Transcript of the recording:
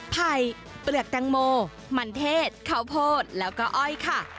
ไผ้เปลือกแตงโมมันเทศเข้าโพดและอ้อย